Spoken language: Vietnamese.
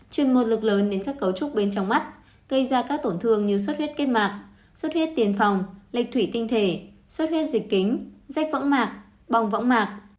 chuyên môn lực lớn đến các cấu trúc bên trong mắt gây ra các tổn thương như xuất huyết kết mạc xuất huyết tiền phòng lệch thủy tinh thể xuất huyết dịch kính rách võng mạc bòng võng mạc